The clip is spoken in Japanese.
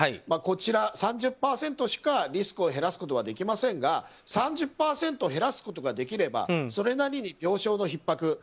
こちらは３０％しかリスクを減らすことができませんが３０％減らすことができればそれなりに病床のひっ迫。